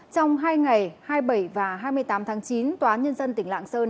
trong hai ngày hai mươi bảy và hai mươi tám tháng chín tòa nhân dân tỉnh lạng sơn